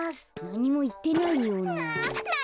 なにもいってないような。